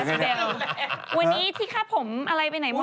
วันนี้ที่ฆ่าผมอะไรไปไหนหมด